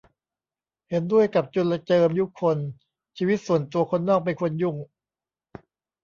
เห็นด้วยกับจุลเจิม ยุคล ชีวิตส่วนตัว คนนอกไม่ควรยุ่ง